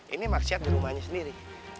ini maksiat di rumahnya sendiri